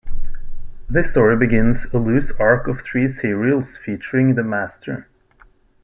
This story begins a loose arc of three serials featuring the Master.